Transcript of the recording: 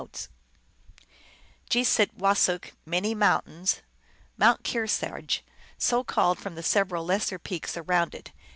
2 Geh sit wah zuch, " many mountains " (Pen.). Mount Kear sarge, so called from the several lesser peaks around it.